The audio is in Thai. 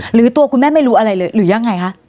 หรือตัวคุณแม่ไม่รู้อะไรเลยหรือยังไงคะ